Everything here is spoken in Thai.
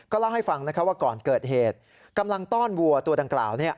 เล่าให้ฟังว่าก่อนเกิดเหตุกำลังต้อนวัวตัวดังกล่าว